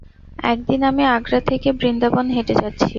একদিন আমি আগ্রা থেকে বৃন্দাবন হেঁটে যাচ্ছি।